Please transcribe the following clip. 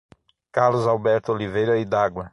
Carlos Alberto Oliveira Idagua